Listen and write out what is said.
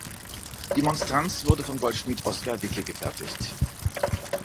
Die Monstranz wurde vom Goldschmied Oskar Wicke gefertigt.